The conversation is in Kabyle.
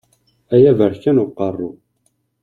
Ay aberkan uqerru!